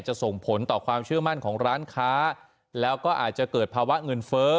ส่งผลต่อความเชื่อมั่นของร้านค้าแล้วก็อาจจะเกิดภาวะเงินเฟ้อ